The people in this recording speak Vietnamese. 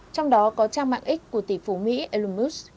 trong đó có trang mạng x của tỷ phú mỹ elon musk